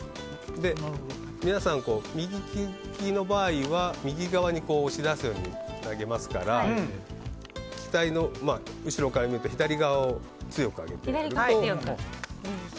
皆さん、右利きの場合は右側に押し出すように投げますから機体の後ろから見ると左側を強く上げてやると。